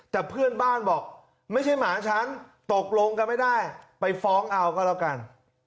แต่เพื่อนบ้านบอกไม่ใช่หมาฉันตกลงกันไม่ได้ไปฟ้องเอาก็แล้วกัน